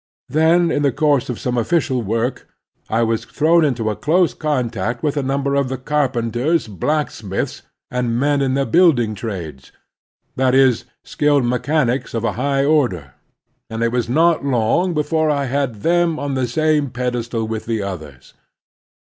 Then, in the course of some official work, I was thrown into close contact with a number of the carpenters, blacksmiths, and men in the building trades, that is, skilled mechanics of a high order, and it was not long before I had them on the same pedestal with the others.